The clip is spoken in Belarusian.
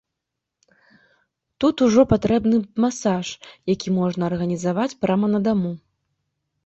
Тут ужо патрэбны б масаж, які можна арганізаваць прама на даму.